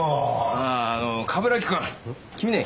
あああの冠城くん君ね